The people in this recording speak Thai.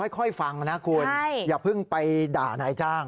ฟังนะคุณอย่าเพิ่งไปด่านายจ้าง